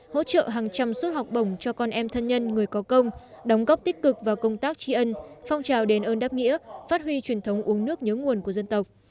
hỗ trợ hàng trăm suất học bổng cho con em thân nhân người có công đóng góp tích cực vào công tác tri ân phong trào đền ơn đáp nghĩa phát huy truyền thống uống nước nhớ nguồn của dân tộc